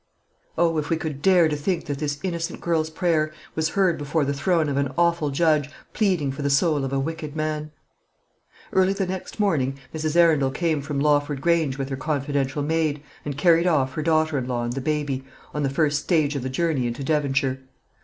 Oh, if we could dare to think that this innocent girl's prayer was heard before the throne of an Awful Judge, pleading for the soul of a wicked man! Early the next morning Mrs. Arundel came from Lawford Grange with her confidential maid, and carried off her daughter in law and the baby, on the first stage of the journey into Devonshire.